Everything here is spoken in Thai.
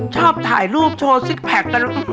ชอบถ่ายรูปโชว์ซิกแพคกัน